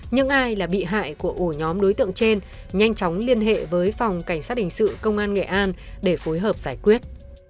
những ai là bị hại của ổ nhóm đối tượng trên nhanh chóng liên hệ với phòng cảnh sát hình sự công an nghệ an để phối hợp giải quyết